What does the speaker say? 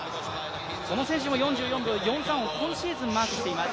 この選手も４４秒４３を今シーズンマークしています。